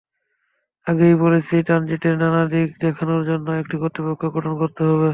আগেই বলেছি, ট্রানজিটের নানা দিক দেখাশোনার জন্য একটি কর্তৃপক্ষ গঠন করতে হবে।